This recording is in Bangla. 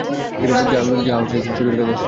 যা ছোটির কাজে আসতে পারে।